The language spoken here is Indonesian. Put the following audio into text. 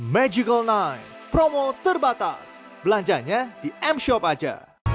magical night promo terbatas belanjanya di m shop aja